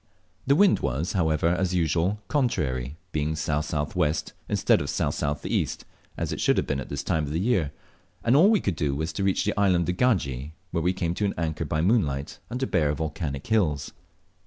The wind was, however, as usual, contrary, being S.S.W. instead of S.S.E., as it should have been at this time of the year, and all we could do was to reach the island of Gagie, where we came to an anchor by moonlight under bare volcanic hills.